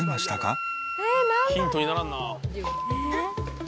ヒントにならんな。